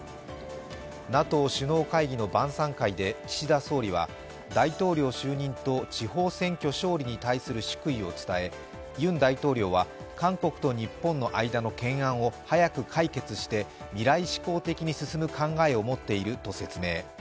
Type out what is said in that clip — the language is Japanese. ＮＡＴＯ首脳会議の晩さん会で岸田総理は大統領就任と地方選挙勝利に対する祝意を伝え、ユン大統領は韓国と日本の間の懸案を早く解決して未来志向的に進む考えを持っていると説明。